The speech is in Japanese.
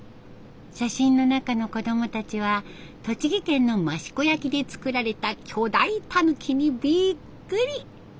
写真の中の子どもたちは栃木県の益子焼で作られた巨大狸にびっくり。